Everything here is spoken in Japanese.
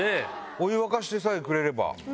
お湯沸かしてさえくれれば。